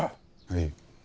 はい。